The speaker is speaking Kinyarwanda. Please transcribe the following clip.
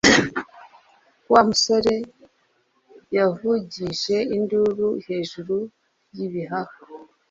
Wa musore yavugije induru hejuru y'ibihaha